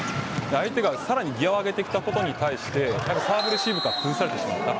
相手が、さらにギアを上げてきたことに対してサーブレシーブから崩されてしまった。